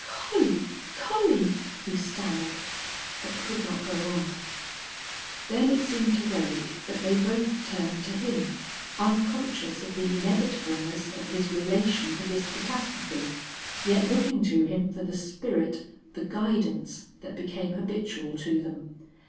"Collie Collie " he stammered, but could not go on. Then it seemed to Wade that they both turned to him unconscious of the inevitableness of his relation to this catastrophe, yet looking to him for the spirit, the guidance that became habitual to them.